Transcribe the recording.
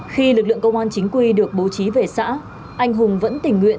khi lực lượng công an chính quy được bố trí về xã anh hùng vẫn tình nguyện